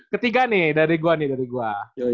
ketiga nih dari gue nih dari gua